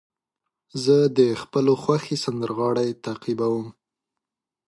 زه د خپلو خوښې سندرغاړو تعقیب کوم.